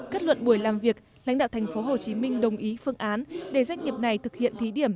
kết luận buổi làm việc lãnh đạo tp hcm đồng ý phương án để doanh nghiệp này thực hiện thí điểm